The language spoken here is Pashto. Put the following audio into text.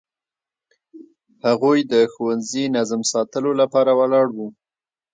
هغوی د ښوونځي نظم ساتلو لپاره ولاړ وو.